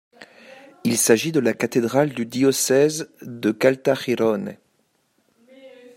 Il s'agit de la cathédrale du diocèse de Caltagirone.